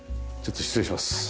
ちょっと失礼します。